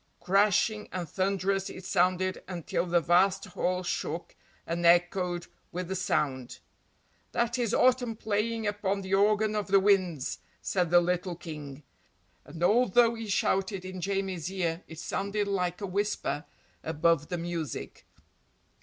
Crashing and thunderous it sounded until the vast hall shook and echoed with the sound. "That is Autumn playing upon the organ of the winds," said the little King, and although he shouted in Jamie's ear it sounded like a whisper above the music.